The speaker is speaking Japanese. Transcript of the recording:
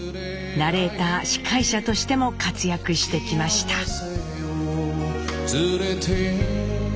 ナレーター司会者としても活躍してきました。